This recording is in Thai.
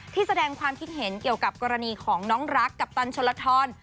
ที่แสดงความคิดเห็นเกี่ยวกับกรณีของน้องรักคชรธร